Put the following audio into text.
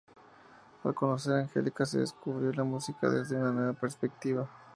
Al conocer a Angelika descubrió la música desde una nueva perspectiva.